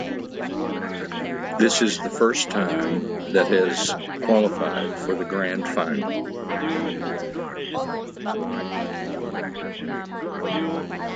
This is the first time that has qualified for the grand final.